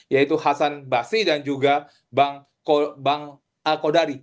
yaitu hasan bakri dan juga bang al kodari